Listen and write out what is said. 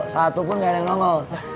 satu pun ga ada yang nonggol